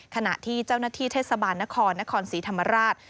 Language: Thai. ขณะที่เจ้าหน้าที่เทศบาลนครนครศรีธรรมราช